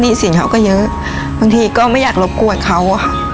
หนี้สิงเขาก็เยอะบางทีก็ไม่อยากรบปวดเขาค่ะ